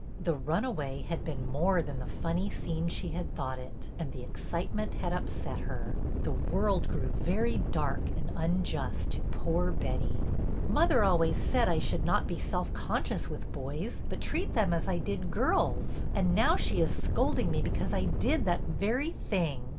The runaway had been more than the funny scene she had thought it, and the excitement had upset her. The world grew very dark and unjust to poor Betty. '' Mother always said I should not be self con scious with boys, but treat them as I did girls, and now she is scolding me because I did that very thing.